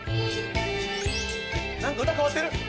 何か歌かわってる。